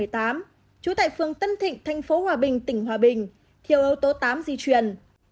trú tại phương tân thịnh thành phố hòa bình tỉnh hòa bình thiêu ưu tố tám di chuyển